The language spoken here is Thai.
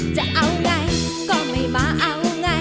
จะเอาไงก็ไม่มาเอาไง